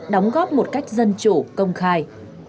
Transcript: đóng góp một cách dân chủ công khai